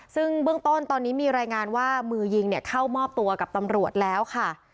ซึ่งเบื้องต้นตอนนี้มีรายงานว่ามือยิงเข้ามอบตัวกับตำรวจแล้วค่ะ